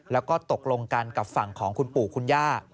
แล้วก็ตกลงกันกับฝั่งของคุณปู่คุณย่า